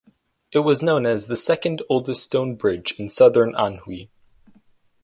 It was known as "the Second Oldest Stone Bridge in Southern Anhui".